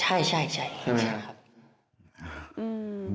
ใช่ใช่ใช่ไหมครับ